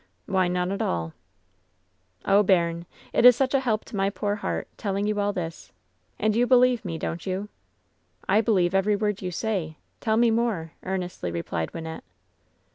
Why, isotie at alL 28« LOVE'S BITTEREST CUP "Oh, bainiy it is such a help to my poor heart tdling you all this. And you believe me, don't you ?" "I believe every word you say — ^tell me more/' ear nestly replied Wynnette.